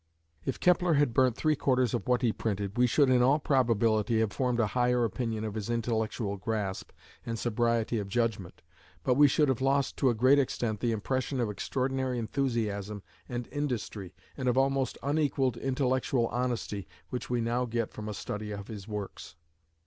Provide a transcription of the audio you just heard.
If Kepler had burnt three quarters of what he printed, we should in all probability have formed a higher opinion of his intellectual grasp and sobriety of judgment, but we should have lost to a great extent the impression of extraordinary enthusiasm and industry, and of almost unequalled intellectual honesty which we now get from a study of his works."